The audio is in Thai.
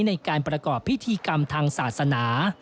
ในการประกอบพิธีกรรมทางศาสนา